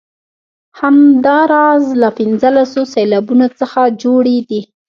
همداراز له پنځلسو سېلابونو څخه جوړې دي.